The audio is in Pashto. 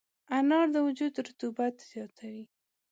انار د وجود رطوبت زیاتوي.